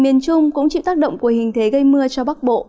miền trung cũng chịu tác động của hình thế gây mưa cho bắc bộ